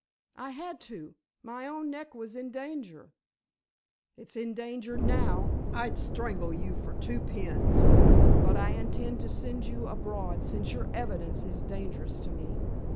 "I had to; my own neck was in danger." "It's in danger now. I'd strangle you for two pins. But I intend to send you abroad since your evidence is dangerous to me.